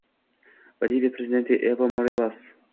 Boliviya prezidenti Evo Morales